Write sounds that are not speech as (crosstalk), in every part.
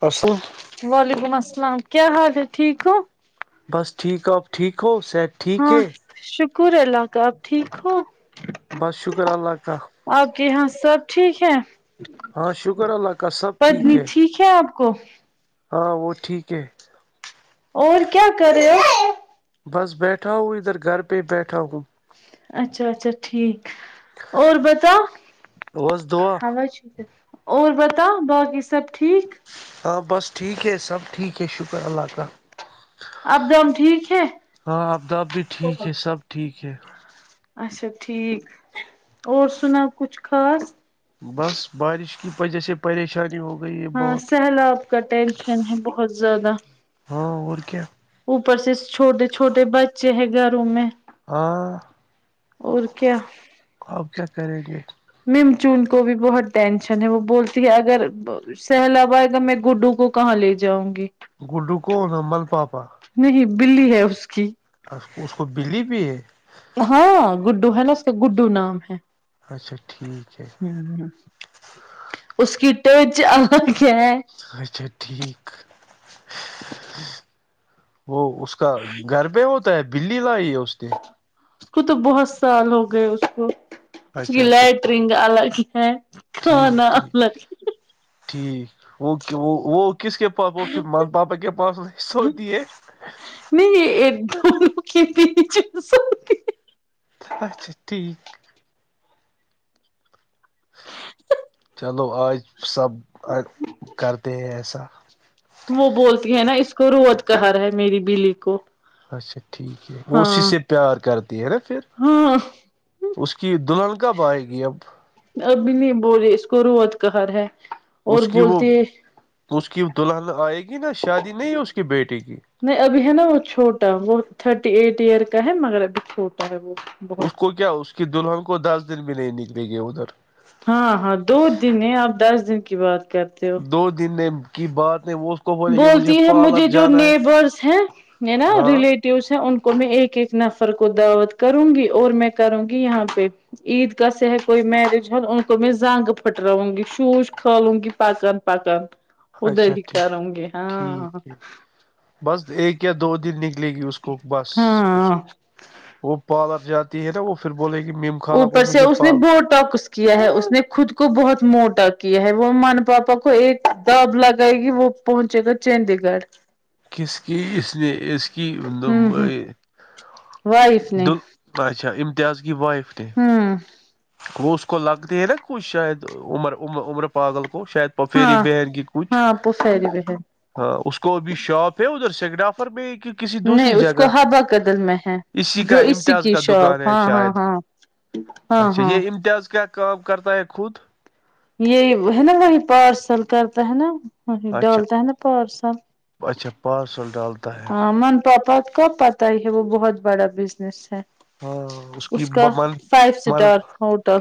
پرسوں وعلیکم السلام کیا حال ہے ٹھیک ہو بس ٹھیک ہو آپ ٹھیک ہو سید ٹھیک ہاں ہے شکر اللہ کا آپ ٹھیک ہو بس شکر اللہ کا آپ کے یہاں سب ٹھیک ہے ہاں شکر اللہ کا سب ٹھیک پتنی ہے ٹھیک ہے آپ کو ہاں وہ ٹھیک ہے اور کیا کرے ہو بس بیٹھا ہوں ادھر گھر پہ ہی بیٹھا ہوں اچھا اچھا ٹھیک اور پتا بس دعا ہو چیک اور بتا باقی سب ٹھیک ہاں بس ٹھیک ہے سب ٹھیک ہے شکر اللہ تالی ابدم ٹھیک ہے ہاں آبدب بھی ٹھیک ہے سب ٹھیک ہے اچھا ٹھیک اور سنا کچھ خاص بس بارش کی وجہ سے پریشانی ہوگی ہاں سیلاب کا ٹینشن ہے بہت زیادہ ہاں اور کیا اوپر سے چھوٹے چھوٹے بچے ہیں گھروں میں ہاں اور کیا آب کیا کرے ریٹ مم چن کو بھی بہت ٹینشن ہے وہ بولتی ہے اگر سہلاباد ا میں گڈو کو کہاں لے جاؤں گی گڈو کو نبل پاپا نہیں بلی ہے اس کی اس کو بلی بھی ہے ہاں گڈو ہے نا اس کا گڈو نام ہے اچھا ٹھیک ہے ہ اس کیٹے و آ گیا ہے اس اچھا ٹھیک وہ اس کا گھر پہ ہوتا ہے بلی لائی ہے اس نے اس کو تو بہت سال ہو گئے اس کو اس کی اچھا اچھا لائٹ ٹھیک رنگ ال الگ ہے ٹھیک کھانا ٹھیک الگ ٹھیک اوکے وہکے کس کے پاس وہ پھر من پاپا کے پاسصہتی ہے نہیں ایک د لک پ س اچھا ٹھیک چلو آج سب کرتے ہیں ایسا وہ بولتی ہے نا اس کو روت کہ رہا ہے میری بلی کو اچھا ٹھیک ہے وہ اسی ہاں سے پیار کرتی ہے نا پھر ہاں اس کی دلہن کب آئے گی اب ابھی نہیں بولے اس کو روت کہر ہے اور اس کی وہ بولتے اس کی دلہن آئے گی نا شادی نہیں ہے اس کی بیٹیے کی نہیں ابھی ہے نا وہ چھوٹا وہ تھرٹی ایٹ ایئر کا ہے مگر ابھی چھوٹا ہے وہ اس کو بہت کیا اس کی دلہن کو دس دن بھی نہیں نکلے گی ادھر ہاں ہاں دو دن ہیں آپ دس دن کی بات کرتے ہو دو دن کی بات ہے وہ کو بولے کہ بولتی ہے مجھے پارلر جو جانا ہے نیبرس ہیں نا ہاں ریلیٹ ان کو میں ایک ایک نفر کو دعوت کروں گی اور میں کروں گی یہاں پہ عیدگاہ سے کوئی مریجال ان کو میں زنگ پھٹراؤں گی شوش کھالوں گی پکان پ کا ادھر اچھا ہی کروں گے ہاں ٹھیک ہے بس ایک یا دو دن نک ے گی اس کو بس ہاں وہ پارر جاتی ہے نا وہ پھر ب گی م اوپر سے اس نے بوٹ کچھ کیا ہے اس نے خود کو بہت موٹا کیا ہے وہ من پاپا کو ایک دب لگائے گی وہ پہنچے گا چنندی گڑھ کس کی اس نے اس کیب ہوں ہوں وائف نے دل اچھا امتیاز کیی وائف نے ہاں وہ اس کو لگتی ہے نا کچئی شاید عمر عمر عمر پاگل کو شاید پفھیری ہاں بہن کی کچھ ہاں پفیری بہن ہاں اس کو بھی شاپ ہے ادھر سیگگرافر میں کسی نہیں دوسری اس کو جگہ ہبا قدل میں ہے اسی جو کا امتیاز کی کا دکان شاپ ہے ہاں ہاں شاید ہاں ہاں اچا ہاں یہ امتیاز کیا کیا کا کرتایا خود یہ ہے نا وہ پارسل کرتا ہے نا وہ اچھا ڈالتا ہے نا پارسل اچھا پارسل ڈالتا ہے ہاں من پاپا کا پت ہی ہے وہ بہت بڑا بزنس ہے ہاں کی اس کا ب- من فائیو اسٹار ہوٹل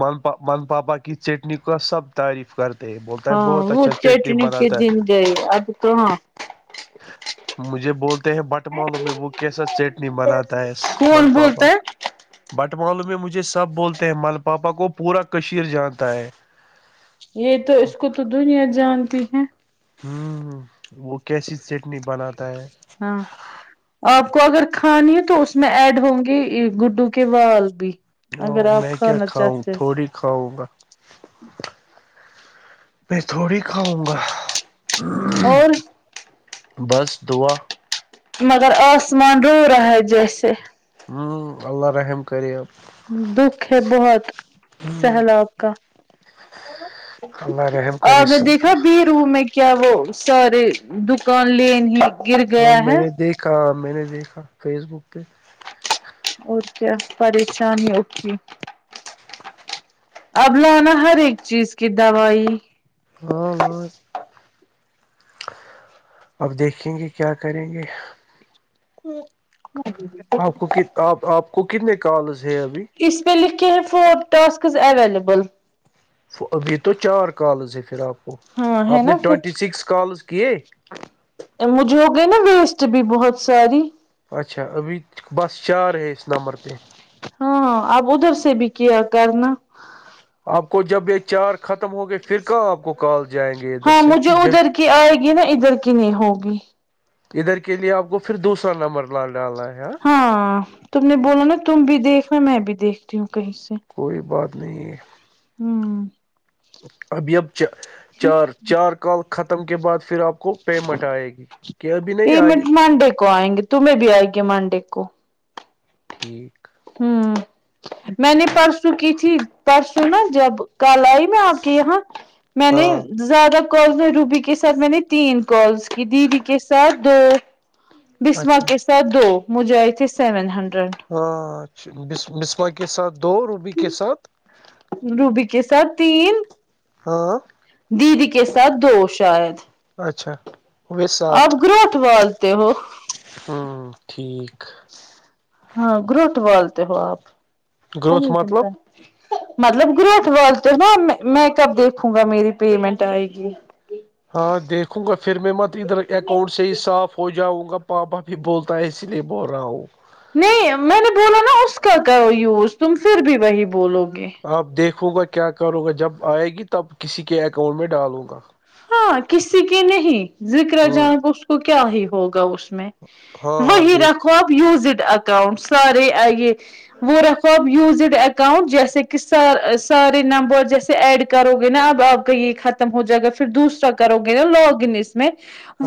ما من پاپا کی چٹنی کا سب تعریف کرتے تو بولتا ہے بہت اچھا اچھے ٹیم بناتا ہے ج جی اب تو ہاں مجھے بولتے ہیں بٹمالوں میں وہ کیسا چیٹنی بناتا ہے من کون پاپا بولتا ہے بٹمالو میں مجھے سب بولتے ہیں مل پاپا کو پورا کشیر جانتا ہے یہ تو اس کو تو دنیا جانتی ہے ہوں ہ وہ کیسی چٹنی بناتا ہے ہاں (inaudible) آپ کو اگر کھانی ہے تو اس میں ایڈ ہوں گے گڈو کے وال بھی اگر آپ کھانا چاہتے کاؤ گا (inaudible) میں تھوڑی کھاؤں گا اور بس دعا مگر آسمان روورا ہے ہے جیسے ہوں اللہ رحم کرریب دکھ ہے بہت سہلاب کا اللہ رحم کرے اور میں سب کو دیکھا بھی وں میں کیا وہ سارے دکان لین ہی گر ہاں گیا میں ہے نے دیکھا میں نے دیکھا فیس بک پہ اور کیا پریشانی اھی اب لانا ہر ایک چیز کی دوائی ہاں لاں اب دیکھیں گے کیا کریں گے ٹھ (unintelligible) جی ج (unintelligible) آپ کو آپ آپ کو کتنے کالز ہے ابھی اس پ لیے کی فور ٹسکس اویلیبل ابھی تو چار کالز ہے پھر آپ کو ہاں ہے آپ نے نا ٹوینٹی کچھ سکس کالز کیے مجھے ہو گئی نا ویسٹ بھی بہت ساری اچھا ابھی بس چار ہے اس نمبر پہ ہاں اب ادھر سے بھی کیا کرنا آپ کو جب یہ چار ختم ہو گئے پھر کہ آپ کو کال جائے ہاں مجھے ادھر کی آئے گی نا ادھر کی نہیں ہوگی ادھر کے لیے آپ کو پھر دوسرا نمبر لا ڈالا ہے یار ہاں تم نے بولا نا تم بھی دیکھو میں بھی دیکھتی ہوں کہیں سے کوئی بات نہیں ہے (unintelligible) ھمم ابیابچ (unintelligible) چار چار کال ختم کے بعد پھر آپ کو پیمنٹ آئے گی کیا ا بھی نہیں پ مٹ آئی مانڈے کو آئیں گے تمہیں بھی آئی گی منڈے کو ٹھیک (unintelligible) ہوں میں نے ہاں پرسوں کی تھی پرسوں نا جب کل آئی میں آپ کے یہاں میں نے ہاں زیادہ کالس میں روبی کے ساتھ میں نے تین کالس کہ دیدی کے ساتھ دو بسماں اچھا کے ساتھ دو مجائے تھے سیون ہنڈریڈ ہاں اچھا بسماں کے ساتھ دو روبی کے ساتھ روبی کے ساتھ تین ہاں دیدی کے ساتھ دو شاید اچھا ہوئے آپ سات گرٹ والازتے ہو ہوں ٹھیک ہاں گروٹ والتے ہو آپ گروتھ نہیں مطلب چنتا مطلب گرٹ والال تو نا میں کب دیکھوں گا میری پیمنٹ آئے گی ہاں دیکھوں گا پھر میں م ادھر اکاؤنٹ سے ہی صاف ہو جاؤں گا پاپا بھی بولتا ہے اسی لیے بول رہا ہوں نہیں میں نے بولا نا اس کا کرو یوز تم پھر بھی وہی بولو گے آپ دیکھو گا کیا کرو گا جب آئے گی تب کسی کے اکاؤنٹ میں ڈالوں گا ہاں کسی کے نہیں ذکر ہوں جان اس کو کیا ہی ہوگا اس میں ہاں ہاں وہی دیکھ رکھو آپ یوزڈ اکاؤنٹ سارے آئیے وہ رقواب یوزڈ اکاؤنٹ جیسے کہ سارے نمبر جیسے ایڈ کرو گے نا اب اب کہ یہ ختم ہو جائے گا پھر دوسرا کرو گے نا لاگن اس میں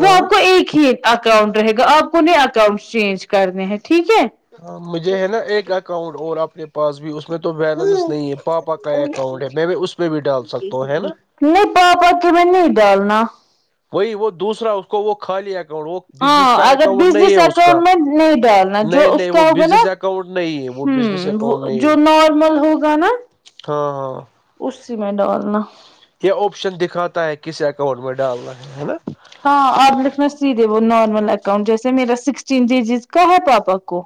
وہ آپ کو ایک ہی اکاؤنٹ رہے گا آپ کوہیں اکاؤنٹ چینج کرنے ہیں ٹھیک ہے ہاں مجھے ہے نا ایک اکاؤنٹ اور اپنے پاس بھی اس میں تو بیلنس نہیں ہے پاپا کا اکاؤنٹ ہے میں بھی اس میں بھی ڈال سکتا ہوں ہے نا- نہیں پاپا کی میں نہیں ڈالنا وہی وہ دوسرا اس کو وہ خالی- ا وہ بس کا ہاں اگر اکاؤنٹ نہیں ہے بزنس اس کا اکاؤنٹ میں نہیں ڈالنا نہیں جو اس نہیں وہ کا ب ہوگا نا ا- اکاؤنٹ نہیں ہے وہ بزنس ہوں اکاؤنٹ نہیں ہے جو نارمل ہوگا نا ہاں- ہاں- اسی میں ڈالنا- یہ آپشن دکھاتا ہے کسی اکاؤنٹ میں ڈالنا ہے ہے نا- ہاں اور لکھنا سیدھے وہ نارمل اکاؤنٹ جیسے میرا سکسٹین ڈی جیز کا ہے پاپا کو-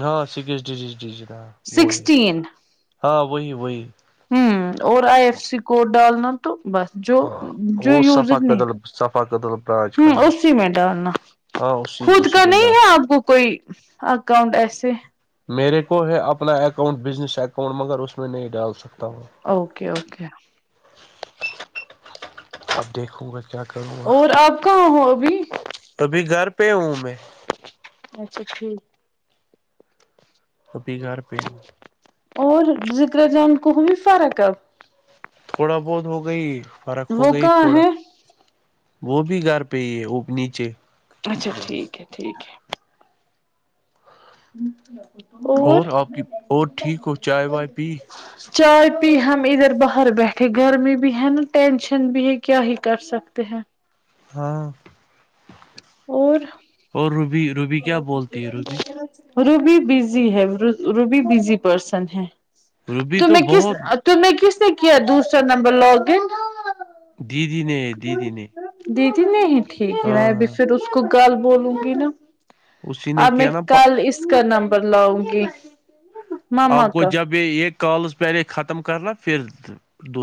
ہاں سکس ڈیجی ڈیجیٹ ہاں- وہ ہے سکسٹین, ہاں وہی وہی ہوں اور آئی ایف سی کوڈ ڈالنا- تو بس جو, ہاں جو وہ صفا وزر نہیں قدل صفا قدل برانچ ہ کا ہے اسی میں ڈالنا- ہاں اسی خود اسی کا میں نہیں ڈال ہے آپ کو کوئی اکاؤنٹ ایسے- میرے کو ہے اپنا اکاؤنٹ بزنس اکاؤنٹ مگر اس میں نہیں ڈال سکتا ہوں- اوکے- اوکے اب دیکھو گا کیا کروں گا اور آپ کہاں ہو ابھی ابھی گھر پہ ہوں میں- اچھا- ٹھیک توبھی گھر پہ- اور کر جان کوھ بھی فرق ہے- تھوڑا بہت ہو گئی فرق ہو وہ گئی کہاں تھوڑا- ہے وہ بھی گھر پہ ہے وہ نیچے- اچھا ٹھیک ہے ٹھیک ہے- اچ اور آپ کی اور ٹھیک ہو چائے وائے پی- چائے پی ہم ادھر باہر بیٹھے گرمی بھی ہے, نا ٹینشن بھی ہے کیا ہی کر سکتے ہیں- ہاں- اور? اور روبی روبی کیا بولتی ہے روبی? روبی بزی ہے روبی بزی پرسن ہے روبی تو میں کس- بہت تو میں کس نا ک دوسرا نمبر لاگن دیدی نے ہے دیدی نے دیدی نہیں ٹھیک ہے میں ہاں اب ہاں پھر اس کو گال بولوں گی نا- اسی نے اب میں کیا نا کل اس کا نمبر لاؤں گی آپ ماما کو کا- جب یہ کالز پہلے ختم کرنا پھر-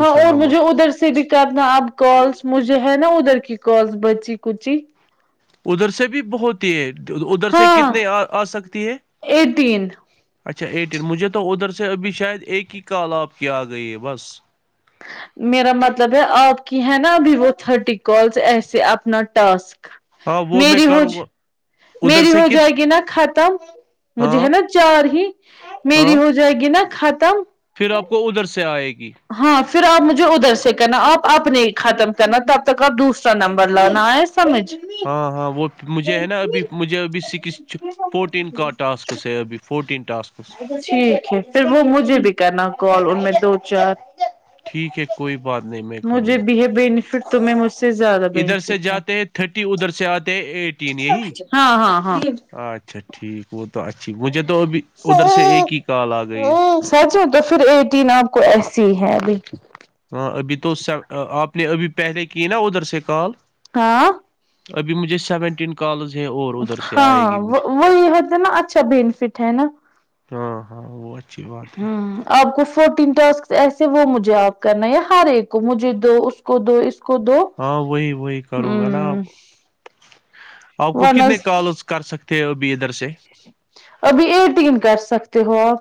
ہاں اور نمبر مجھے ادھر سے بھی کہ اپنا اب کالس مجھے ہے نا ادھر کی کالس بچی کچی- ادھر سے بھی بہت ہی ہے ادھر سے ہاں کتنے آ سکتی ہے- ایٹین اچھا ایٹین مجھے تو ادھر سے ابھی شاید ایک ہی کال آپ کی آ گئی ہے بس- میرا مطلب ہے آپ کی ہے نا ابھی وہ تھرٹی کالس ایسے اپنا ٹاسک- ہاں وہ میں میری ہو کروں گا- ادھر میری سے ہو کت جائے گی نا ختم مجھے ہاں ہے نا چار ہی میری ہاں ہو جائے جگناہ ختم- پھر آپ کو ادھر سے آئے گی- ہاں پھر آپ مجھے ادھر سے کرنا آپ اپنے ختم کرنا تب تک آپ دوسرا نمبر لانا ہے- سرج ہاں- ہاں وہ- مجھے ہے نا ابھی مجھے ابھی سکس فورٹین کا ٹاسکس ہے ابھی فورٹین ٹاسکس ٹھیک ہے پھر وہ مجھے بھی کرنا کال ان میں دو چار ٹھیک ہے کوئی بات نہیں م مجھے بھی ہے بینیفٹ تم مجھ زیادہ ادھر سے بینیفٹ ہے جاتے ہیں تھرٹی ادھر سے آتے ہیں ایٹین یہی ہاں ہاں ہاں اچھا ٹھیک وہ تو اچھی مجھے تو ابھی ادھر سے ایک ہی کال آ گئی ہے سچا تو پھر ایٹین آپ کو ایسی ہی ہے ابھی ہاں ابھی تو آپ نے ابھی پہلے کی نا ادھر سے کال ہاں ابھی مجھے سیونٹین کالج ہے اور ادھر سے ہاں آئے گی وہ مجھے وہی ہوتا ہے نا اچھا بینفٹ ہے نا ہاں ہاں وہ اچھی بات ہے ہاں آپ کو فورٹین ٹاسک ایسے وہ مجھے آپ کرنا ہے ہر ایک کو مجھے دو اس کو دو اس کو دو ہاں وہی وہی کروں گا نا آپ ہوں آپ کو ورنہ کتنے کال اس کر سکتے ہو ا بھیھی ادھر سے ابھی ایک دن کر سکتے ہو آپ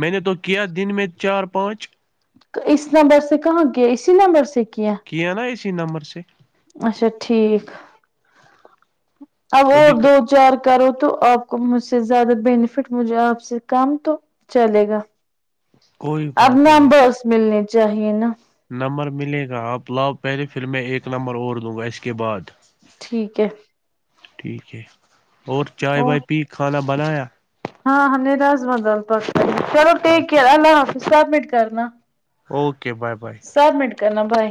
میں نے تو کیا دن میں چار پانچ اس نمبر سے کہاں کیا اسی نمبر سے کیا کہ ن نہ اسی نمبر سے اچھا ٹھیک اب اور ابھی دو چار کرو تو آپ کو مجھ سے زیادہ بینیفٹ مجھے آپ سے کم تو چلے گا کوئی اب ن بات نہیں میں بس ملنی چاہیے نا نمبر ملے گا آپ لاؤ پہلے پھر میں ایک نمبر اوڑ دوں گا اس کے بعد ٹھیک ہے ٹھیک ہے اور چائے اور بائے پی کھانا بنایا ہاں ہاںیراضم پکلو اچھا ٹئر اللہ حافظ سبمٹ کرنا اوکے بائے بائے سبمٹ کرنا بائے